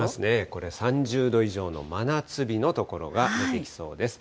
これ、３０度以上の真夏日の所が出てきそうです。